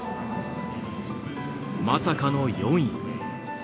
まさかの４位。